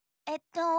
えっと。